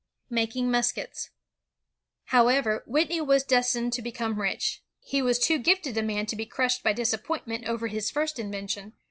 Making Muskets However, Whitney was destined to become rich. He was too gifted a man to be crushed by disappointment over his first invention.